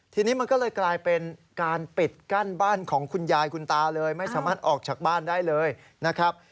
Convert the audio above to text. ทีนี้มันก็เลยกลายเป็นการปิดกั้นบ้านของคุณยายคุณตาเลยไม่สามารถออกจากบ้านได้เลยนะครับ